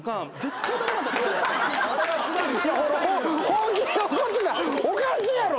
本気で怒ってたらおかしいやろ！